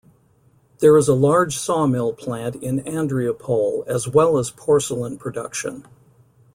There is a large saw-mill plant in Andreapol as well as porcelain production.